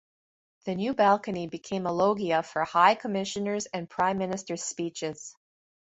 The new balcony became a loggia for high commissioners and prime ministers' speeches.